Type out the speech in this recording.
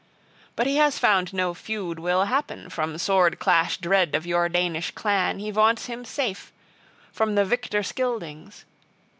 But he has found no feud will happen; from sword clash dread of your Danish clan he vaunts him safe, from the Victor Scyldings.